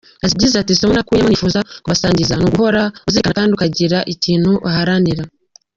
Yagize ati “Isomo nakuyemo nifuza kubasangiza ni uguhora uzirikana kandi ukagira ikintu uharanira.